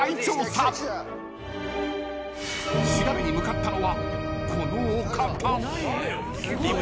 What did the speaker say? ［調べに向かったのはこのお方］